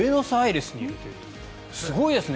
すごいですね。